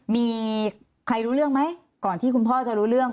มีใครรู้เรื่องไหมก่อนที่คุณพ่อจะรู้เรื่อง